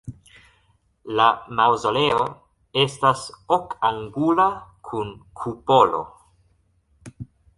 La maŭzoleo estas okangula kun kupolo.